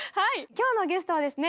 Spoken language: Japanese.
今日のゲストはですね